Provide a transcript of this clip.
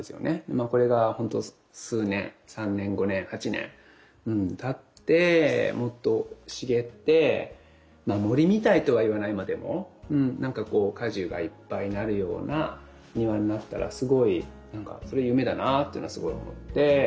まあこれがほんと数年３年５年８年たってもっと茂って森みたいとは言わないまでもなんかこう果樹がいっぱいなるような庭になったらすごいなんかそれ夢だなってのはすごい思って。